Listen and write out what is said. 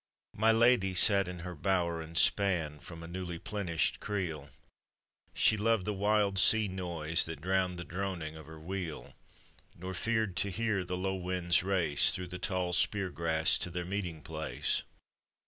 My lady sat in her bower, and span From a newly plenished creel ; She loved the wild sea noise that drowned The droning of her wheel, Nor feared to hear the low winds race Through the tall spear grass to their meeting place.